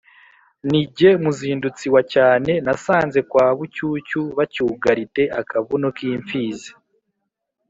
Ni jye muzindutsi wa cyane nasanze kwa Bucyucyu bacyugarite-Akabuno k'imfizi.